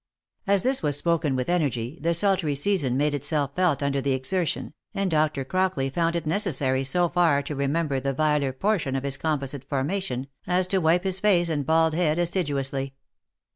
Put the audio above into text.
As this was spoken with energy, the fsultry season made itself felt under the exertion, and Dr. Crockley found it necessary so far to remember the viler portion of his composite formation, as to wipe his face and bald head assiduously.